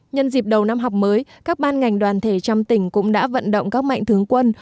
nhân dịp đầu năm học mới các ban ngành đoàn thể trong tỉnh cũng đã vận động các mạnh thường quân